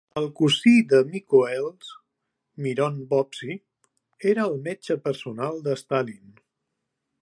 El cosí de Mikhóels, Miron Vovsi, era el metge personal de Stalin.